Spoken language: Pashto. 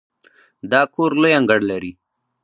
دا کور لوی انګړ لري.